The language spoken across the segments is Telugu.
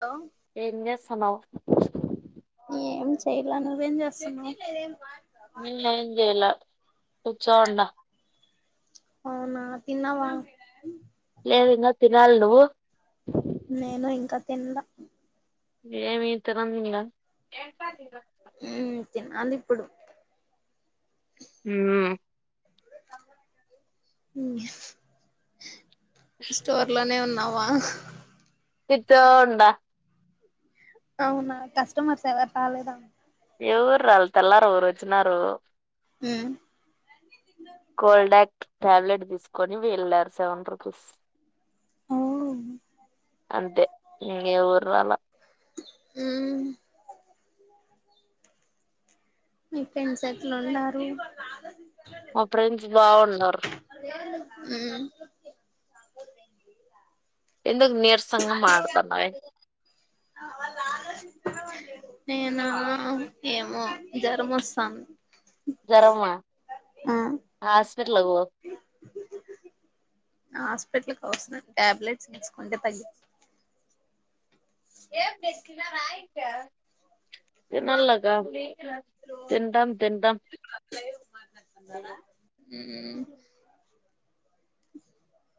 లో ఎంజేస్సనవ్ ఏం చేయలా నువ్వేం జేస్సున్నవ్ నేనేం ఏం జేయలా కూర్చో ఉన్న అవునా తిన్నావా లేదు ఇంగా తినాల్ నువ్వు నేను ఇంకా తిన్ల ఏమీ ఇంతరందింగ ఊ తినాలి ఇప్పుడు ఊ మ్ స్టోర్ ఇంట్లోనే ఉన్నావా కూర్చోండా అవునా కస్టమర్స్ ఎవరు రాలేదా ఎవరు రాళ్ల తెల్లారి ఒకరోచినారు హ కోల్ క్ట్ టాబ్లెట్ తీసుకొని వేళ్లారు సెవెన్ రూపీస్ అంతే ఇంగెవురాళ్ళ మ్ మీ పోయిన్ సెట్లు ఉన్నారు మా ఫ్రెండ్స్ బాగున్నారు హ్మ్ ఎందుకు నీర్సంగా మాట్లాతన్నావే నేనా ఏమో జ్వరంమోస్తంది జరమా హాస్పిటల్ కి పో హాస్పిటల్కి అవసరం టాబ్లెట్స్ తేచ్చుకుంటే తగ్గి ఏ మీకింట రా ఇంక తినల్ల గా తింటాం తింటాం మ్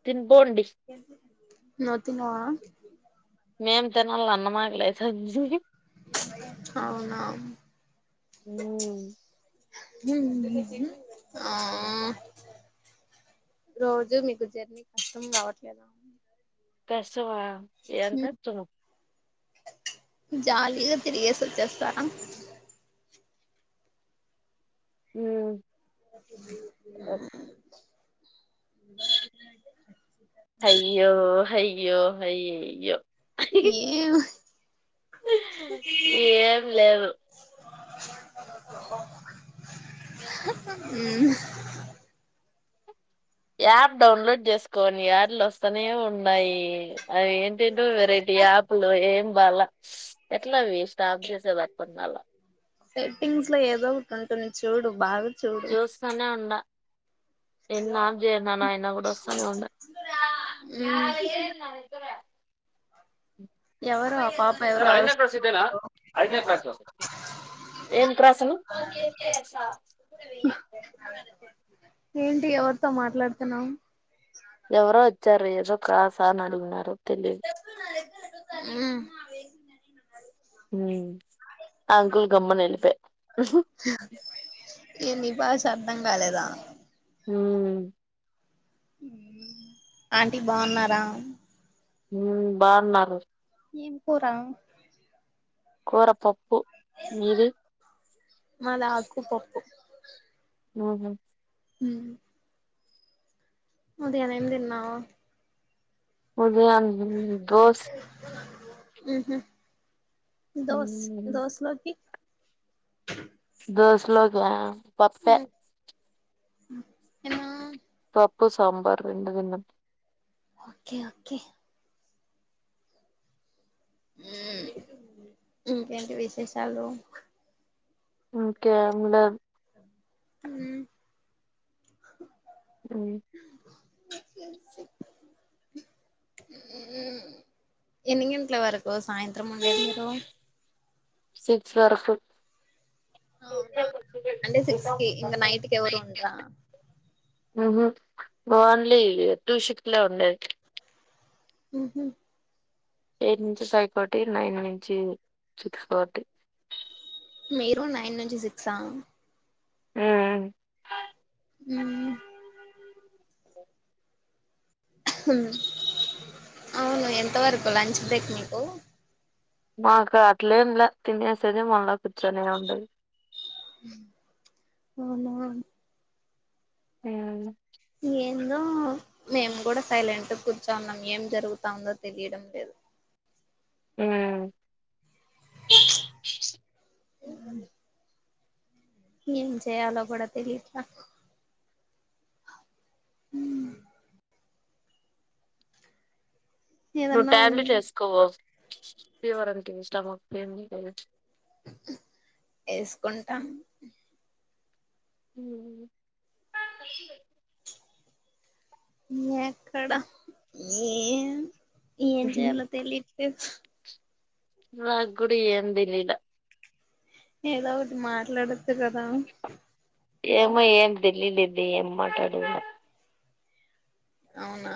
తిన్ డోన్ డిస్ నువ్వు తిన్నావా మేం తిన్నాలా అన్నమాకి లైతంది అవునా మ్ ఆ రోజు మీకు జర్నీ కష్టం రావట్లేదా కర్సువా ఎం ఖర్చులు జాలీగా తిరిగేసి వచ్చేస్తారా ఉ పప్పది అ హయ్యో హయ్యో హయ్యయ్యో ఏమో ఏం లేదు ఉ యాప్ డౌన్లోడ్ చేసుకోని యాడ్ లు వస్తనే ఉన్నాయి అది ఏంటేంటివో వెరైటీ యాప్ లు ఏం బాలా ఎట్లావి స్టాప్ చేసేడి అర్ధంకాల సెట్టింగ్స్ లో ఏదో ఒకటి ఉంటుంది చూడు బాగా చూడు జూస్తానే ఉండా ఎన్ని ఆఫ్ చేస్నానో అయినా కూడా వస్తానే ఉండయ్ ఎవరు ఆ పాప సార్ ఎవరో అరు ఐనా క్లాస్ ఇద్దేనా ఐనా క్లాక్స్ కోసం ఏం క్రాసలు ఏంటి ఎవరితో మాట్లాడుతున్నావ్ ఎవరో వచ్చారు ఏదో క్లాస అని అడిగినారు తెలియదు మ్ మ్ అంకుల్ గమ్మున ఎల్లిపోయాడు ఎందీ భాష అర్ధం కాలేదా మ్ ఆంటీ బాగున్నారా మ్ బాగున్నాను ఏం కురా కూరపప్పు మది ఆకు పప్పు అహ మ్ ఉదయన ఏం తిన్నావ్ ఉదయన దోష్ మ్ హు దోస్ దోస్ లోకి దోస్ లో క మ్ పప్పు సాంబార్ రెండు తిన్న ఓకే ఓకే మ్ ఇంకేంటి విశేషాలు ఇంకేం లేదు మ్ మ్ ఎన్ని గంటల వరకు సాయంత్రం వెళ్ళేది మీరు సిక్స్ వరకు అవునా అంటే సిక్స్ కి ఇంకా నైట్ కి ఎవరు ఉండరా మ్ హు ఓన్లీ టూ షిఫ్ట్ లే ఉండేది మ్ హు ఎయిట్ నుంచి ఫైవ్ ఫార్టీ నైన్ నుంచి సిక్స్ ఫార్టీ మీరు నైన్ నుంచి సిక్సా మ్ మ్ మ్ అవును ఎంత వరకు లంచ్ బ్రేక్ నీకు మాకు అట్లేం లే తినేసేది మనలో కూర్చొని ఉండేది అవున హ్మ్ ఏందో మేము కూడా సైలెంట్ గా కూర్చున్నాం ఏం జరుగుతాందో తెలియడం లేదు హ్మ్ కిక్. ఏం చేయలో కూడా తెలియట్లే నువ్వు ఏదన్నా ఉ టాబ్లెట్ వేసుకో ఫీవర్ అంటివి స్టమక్ పెన్ ఏసుకుంటా హ్మ్ కువ్. ఎక్కడ ఏం ఏం చేయాలో తెలియట్లేదు నాకు కూడా ఏం తెలిలే. ఏదో ఒకటి మాట్లాడోచ్చు కదా. ఏమో ఏం తెలియలేది ఏం మాట్లాడాలో. అవునా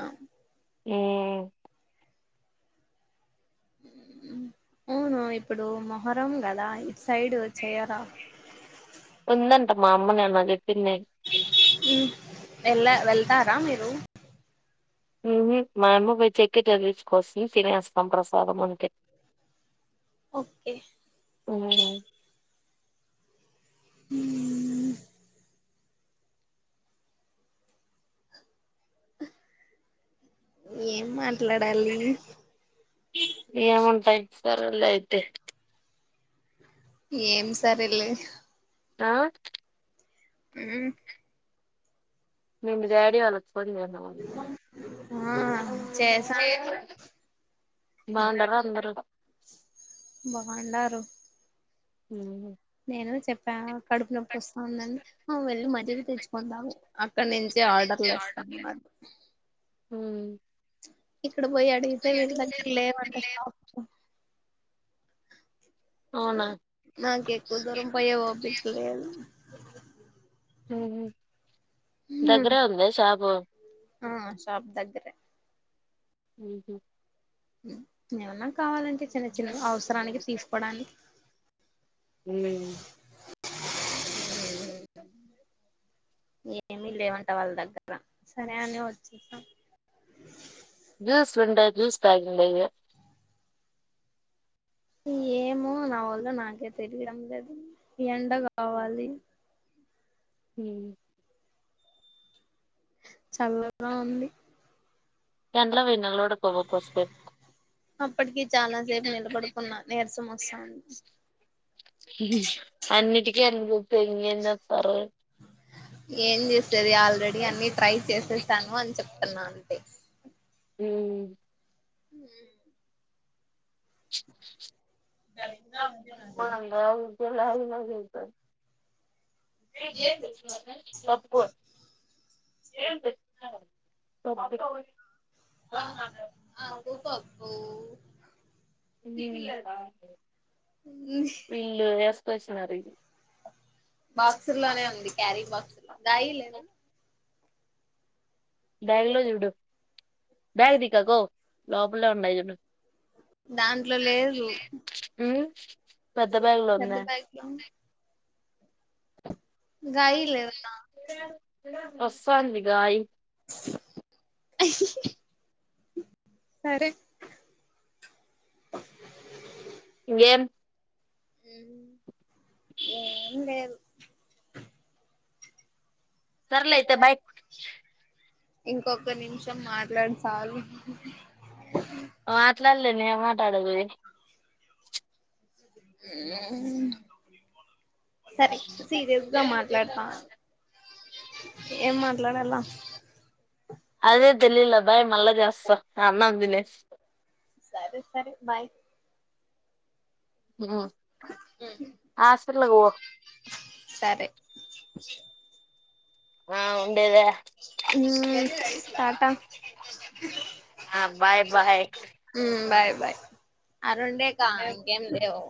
హ్మ్. అవును ఇప్పుడు మొహరం కదా ఇటు సైడ్ చేయరా. ఉందంటా మా అమ్మ నిన్న చెప్పింది. వెళ్ లే వెళ్తారా మీరు. మా యమ్మ పోయి చెక్కెట తీచ్చుకొస్తే తినేస్తాం ప్రసాదం అంతే. ఆ. ఓకే. హుమ్ ఉహూ. ఏం మాట్లాడాలి. ఏం ఉంటాయి సరే లే అయితే. ఏం సరే లే. ఆ. హ్మ్ మేము మీ డాడీ వాళ్ళు ఫోన్ చేయనా ఆ చేసాను బాగుండారా ఇందాకే అందరు బాగుండారు హ్మ్. నేను చెప్పా కడుపు నొప్ వస్తాది అని ఆ వెళ్ళి మజ్జిగ తెచ్చుకొని తాగు హ్మ్. ఇక్కడ పోయి అడిగితే వీళ్ళ దగ్గర లేవంటే షాప్. అవునా నాకు ఎక్కువ దూరం పోయే ఓపిక లేదు. హ్మ్ దగ్గరే ఉందా షాపు ఆ షాప్ దగ్గరే. ఉహు ఏమన్నా కావాలంటే చిన్న చిన్న అవసరానికి తీసుకోవడాన్ హ్మ్. ఆ. ఏమి లేవంటా వాళ్ళ దగ్గర జ్యూస్లు ఉండాయి జ్యూస్ తాగి ఉండేవి. ఏమో నా వల్ల నాకే తెలియడం లేదు ఈ ఎండ కావాలి. హ్మ్. చల్లగా ఉంది దాంట్లో వోయినా లోడ్ పొబో పోస్పెన్ అప్పటికి చాలా సేపు నిలబడుకున్న నీరసం వస్తాన్ అన్నిటికీ అన్నీ చెప్తే ఇంగేం చేస్తారు ఏం చేసేది ఆల్రెడీ అన్ని ట్రై చేసేసాను అని చెప్తున్నా అంటే హూ హు ఓనంగా ముగ్గురు లాగున్నది ఐతే స్లప్కో టబ్బి అది పబ్బు వీళ్ళు వే‌సుకొచ్చినారు ఇది బాక్స్ లోనే ఉంది క్యారీ బాక్స్ లో గాయి లేదు [unintelligible] బ్యాగ్ లో జూడు బ్యాగ్ దీకా కోవ్ లోపలే ఉండాయి జూడు దాంట్లో లేదు ఉమ్ పెద్ద బాగ్ లో ఉందా డం వస్తాంది గాయి అ సరే ఇంగేం ఉమ్ ఏం లే సర్లే అయితే బాయ్ ఇంకొక్క నిమిషం మాట్లాడు సాలు మాట్లాడలేను ఏం మాటాడాలి సరి సీరియస్ గా మాట్లాడతా ఏం మాట్లాడాల అదే తెలీలే బాయ్ మళ్ళా చేస్తా అన్నం తినేసి సరే సరే బాయ్ హాస్పెటల్ కు పో సరే ఆ ఉండేదా ఊ టాటా ఆ బాయ్ బాయ్ ఊ బాయ్ బాయ్ ఆ రెండే కా ఇంకేం లేదు